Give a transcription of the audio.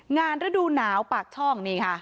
ฤดูหนาวปากช่องนี่ค่ะ